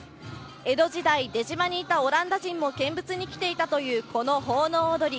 江戸時代、出島にいたオランダ人も見物に来ていたというこの奉納踊り。